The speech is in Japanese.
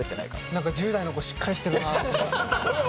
何か１０代の子しっかりしてるなと思って。